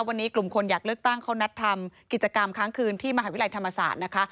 วันนี้กลุ่มคนอยากเลือกตั้งเขานัดทำกิจกรรมค้างคืนที่มหาวิทยาลัยธรรมศาสตร์นะคะ